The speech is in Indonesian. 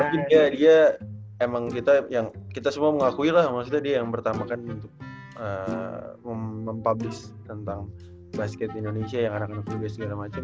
tapi dia emang kita semua mengakui lah maksudnya dia yang pertama kan untuk mempublish tentang basket indonesia yang anak anak itu bisa